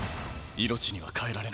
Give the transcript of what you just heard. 命には代えられない。